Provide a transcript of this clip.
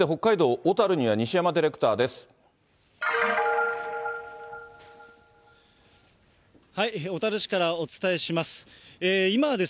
小樽市からお伝えします。